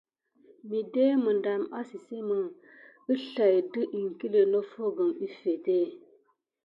Miɗe miŋɗɑm ésisémé əslay dət iŋkle noffo gum əffete.